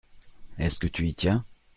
Est-ce que tu y tiens ?